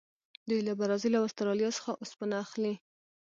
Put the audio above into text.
دوی له برازیل او اسټرالیا څخه اوسپنه اخلي.